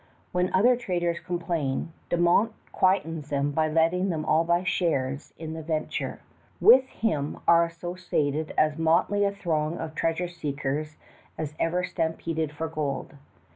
When other traders complain, De Monts quiets them by letting them all buy shares in the venture. With him are associated as motley a throng of treasure seekers as ever stampeded for gold.